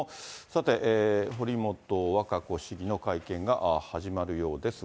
さて、堀本和歌子市議の会見が始まるようです。